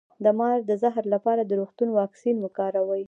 د مار د زهر لپاره د روغتون واکسین وکاروئ